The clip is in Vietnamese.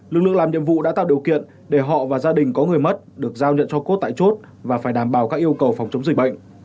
lực lượng làm nhiệm vụ đã tạo điều kiện để họ và gia đình có người mất được giao nhận cho cốt tại chốt và phải đảm bảo các yêu cầu phòng chống dịch bệnh